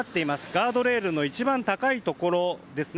ガードレールの一番高いところです。